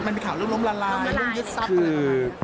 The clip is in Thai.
มันมีข่าวเรื่องล้มละลายเรื่องยึดซับ